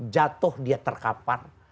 jatuh dia terkapar